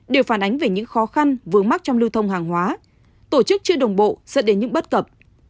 đều phản ánh về những khó khăn vướng mắc trong lưu thông hàng hóa tổ chức chưa đồng bộ dẫn đến những bất cập